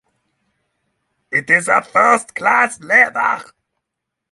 It is a first-class lever.